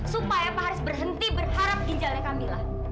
supaya pak haris berhenti berharap di jalannya kamila